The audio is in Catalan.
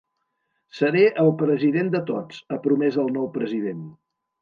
Seré el president de tots, ha promès el nou president.